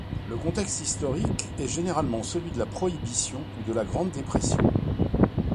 Le contexte historique est généralement celui de la prohibition ou de la Grande Dépression.